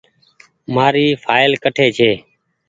مآريِ ڦآئل ڪٺ ڇي۔